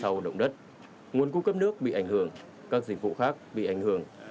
hậu quả sau đống đất nguồn cung cấp nước bị ảnh hưởng các dịch vụ khác bị ảnh hưởng